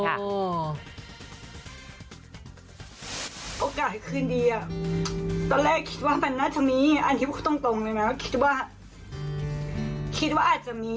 โอกาสคืนดีอ่ะตอนแรกคิดว่ามันน่าจะมีอันนี้พูดตรงเลยนะคิดว่าคิดว่าอาจจะมี